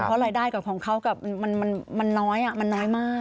เพราะรายได้กับของเขามันน้อยมันน้อยมาก